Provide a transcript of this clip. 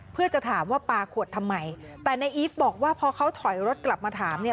เพื่อจะถามว่าปลาขวดทำไมแต่ในอีฟบอกว่าพอเขาถอยรถกลับมาถามเนี่ย